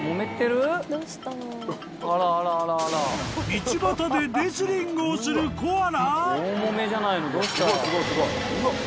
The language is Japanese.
［道端でレスリングをするコアラ？］